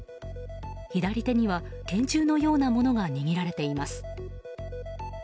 左手には拳銃のようなものが握られています。